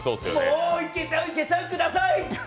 もういけちゃう、いけちゃう、ください！！